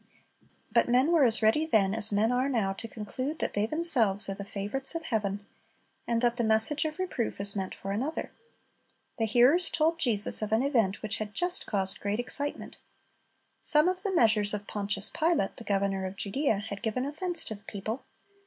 But men were as ready then as men are now to conclude that they themselves are the favorites of heaven, and that the message of reproof is meant for another. The hearers told Jesus of an event which had just caused great excitement. Some of the measures of Pontius Pilate, the governor of Judea, had given offense to the people.